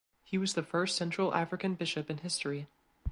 He was the first central African bishop in history.